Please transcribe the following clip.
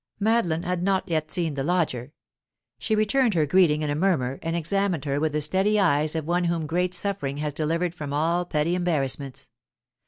Madeline had not yet seen the lodger; she returned her greeting in a murmur, and examined her with the steady eyes of one whom great suffering has delivered from all petty embarrassments.